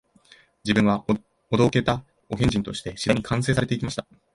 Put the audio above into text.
自分はお道化たお変人として、次第に完成されて行きました